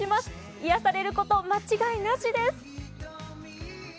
癒やされること、間違いなしです。